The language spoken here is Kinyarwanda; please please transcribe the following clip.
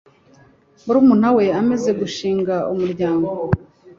murumuna we amaze gushinga umuryango